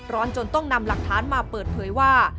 จนต้องนำหลักฐานมาเปิดเผยว่า